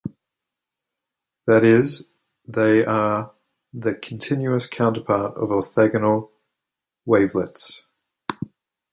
That is they are the continuous counterpart of orthogonal wavelets.